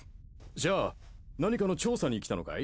じゃあ何かの調査に来たのかい？